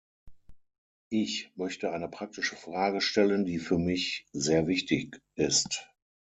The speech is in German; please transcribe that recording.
Ich möchte eine praktische Frage stellen, die für mich sehr wichtig ist.